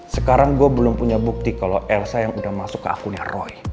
sekarang gue belum punya bukti kalau elsa yang udah masuk ke akunnya roy